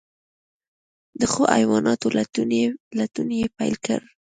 د ښو حیواناتو لټون یې پیل کړ.